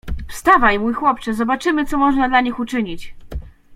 "Wstawaj, mój chłopcze; zobaczymy, co można dla nich uczynić."